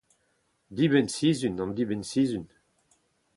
dibenn-sizhun, an dibenn-sizhun